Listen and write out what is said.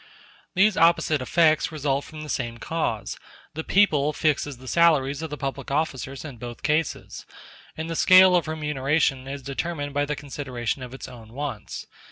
These opposite effects result from the same cause; the people fixes the salaries of the public officers in both cases; and the scale of remuneration is determined by the consideration of its own wants.